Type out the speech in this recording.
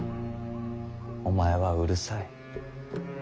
お前はうるさい。